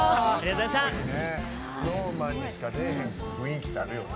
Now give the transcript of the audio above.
ＳｎｏｗＭａｎにしか出えへん雰囲気ってあるよな。